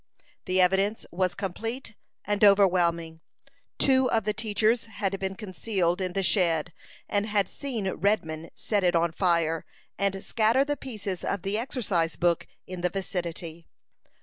The evidence was complete and overwhelming. Two of the teachers had been concealed in the shed, and had seen Redman set it on fire, and scatter the pieces of the exercise book in the vicinity.